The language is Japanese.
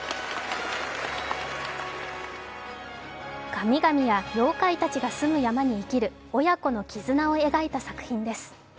神々や妖怪たちが住む山に生きる親子の絆を描いた作品です。